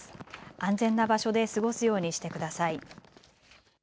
安全な場所で過ごすようにしてください。